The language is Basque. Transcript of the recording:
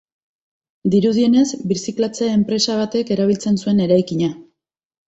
Dirudienez, birziklatze enpresa batek erabiltzen zuen eraikina.